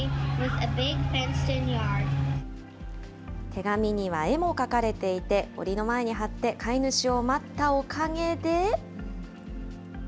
手紙には絵も描かれていて、おりの前に貼って、飼い主を待ったおかげで。